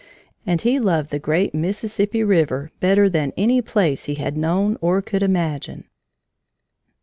And he loved the great Mississippi River better than any place he had known or could imagine.